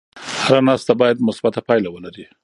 هره ناسته باید مثبته پایله ولري.